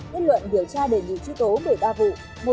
thiết luận điều tra đề dự trí tố một mươi ba vụ